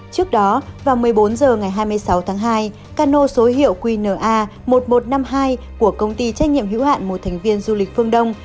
trước đó vào một mươi bốn h ngày hai mươi sáu tháng hai cano số hiệu qna một nghìn một trăm năm mươi hai của công ty trách nhiệm hữu hạn một thành viên du lịch phương đông